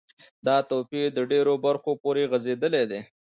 دا توپیر د ډیرو برخو پوری غځیدلی دی.